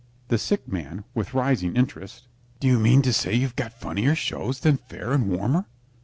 THE SICK MAN (with rising interest) Do you mean to say you've got funnier shows than "Fair and Warmer"?